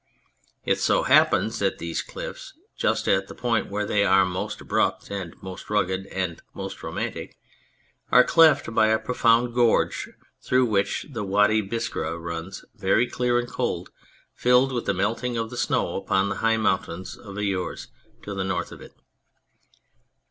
It so happens that these cliffs, just at the point where they are most abrupt and most rugged, and most romantic, are cleft by a profound gorge through which the Wady Biskra runs very clear and cold, filled with the melting of the snow upon the high mountain of Aures to the north of it.